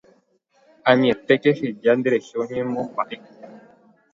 Anietéke eheja nderehe oñemomba'e